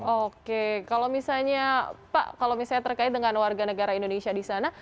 oke kalau misalnya pak kalau misalnya terkait dengan warga negara indonesia di sana